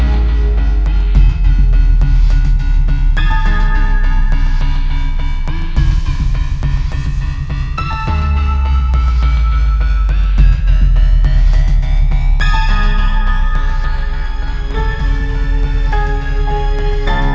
gak usah nge subscribe ya